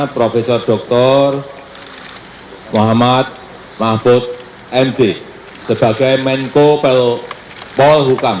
profesor dr muhammad mahbud md sebagai menko polhukam